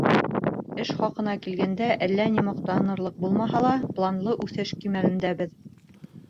Эш хаҡына килгәндә, әллә ни маҡтанырлыҡ булмаһа ла, планлы үҫеш кимәлендәбеҙ.